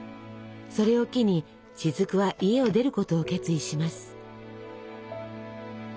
それを機に雫は家を出ることを決意します。